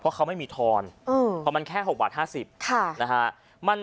เพราะเขาไม่มีทอนเพราะมันแค่๖บาท๕๐นะฮะ